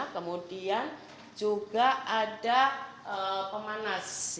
kemudian juga ada pemanas